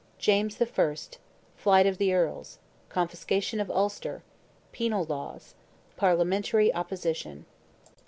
JAMES I.—FLIGHT OF THE EARLS—CONFISCATION OF ULSTER—PENAL LAWS—PARLIAMENTARY OPPOSITION.